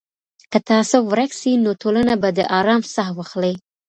که تعصب ورک سي نو ټولنه به د ارام ساه واخلي.